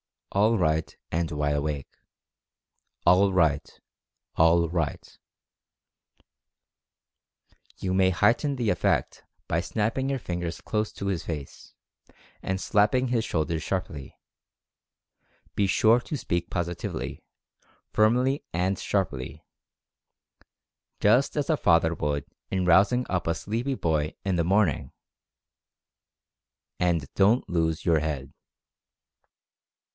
ALL RIGHT, and WIDE AWAKE! All Right— ALL RIGHT!" You Experimental Fascination 109 may heighten the effect by snapping your fingers close to his face, and slapping his shoulders sharply. Be sure to speak positively, firmly and sharply, just as a father would in rousing up a sleepy boy in the morn ing, and don't lose your head.